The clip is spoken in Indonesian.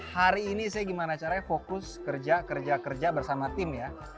hari ini saya gimana caranya fokus kerja kerja bersama tim ya